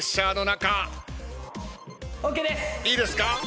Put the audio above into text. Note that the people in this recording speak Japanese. いいですか？